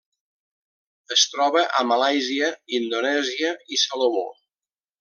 Es troba a Malàisia, Indonèsia i Salomó.